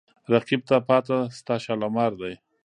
رقیب ته پاته ستا شالمار دی